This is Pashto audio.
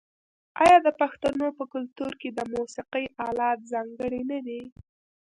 آیا د پښتنو په کلتور کې د موسیقۍ الات ځانګړي نه دي؟